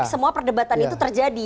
semua perdebatan itu terjadi